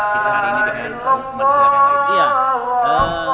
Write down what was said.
kita hari ini dengan